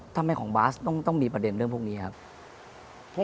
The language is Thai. ทำไมของบาสต้องมีประเด็นเรื่องพวกนี้ครับ